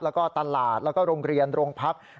แล้วก็ตลาดแล้วก็โรงเรียนโรงพัก